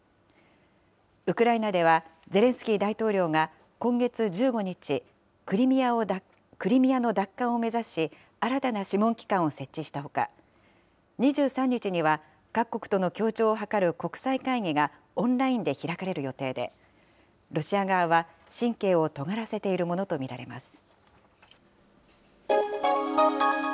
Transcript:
ウクライナでは、ゼレンスキー大統領が今月１５日、クリミアの奪還を目指し、新たな諮問機関を設置したほか、２３日には、各国との協調を図る国際会議がオンラインで開かれる予定で、ロシア側は神経をとがらせているものと見られます。